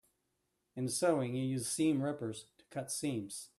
In sewing, you use seam rippers to cut seams.